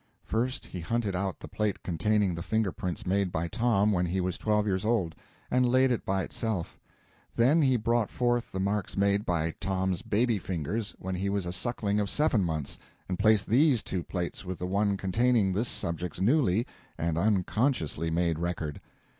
First, he hunted out the plate containing the finger prints made by Tom when he was twelve years old, and laid it by itself; then he brought forth the marks made by Tom's baby fingers when he was a suckling of seven months, and placed these two plates with the one containing this subject's newly (and unconsciously) made record.